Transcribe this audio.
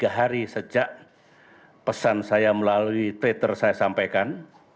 tiga hari sejak pesan saya melalui twitter saya sampaikan